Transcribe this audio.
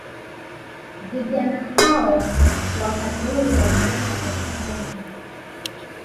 Vijana hao wakati ule walifanya kazi kubwa sana